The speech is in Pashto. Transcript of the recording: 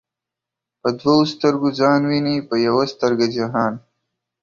په دوو ستر گو ځان ويني په يوه سترگه جهان